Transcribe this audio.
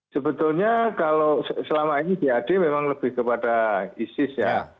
sebetulnya kalau selama ini jad memang lebih kepada isis ya